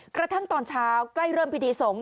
กระทั่งตอนเช้าใกล้เริ่มพิธีสงฆ